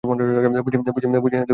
বুঝিনা কীভাবে করে ফেলেন।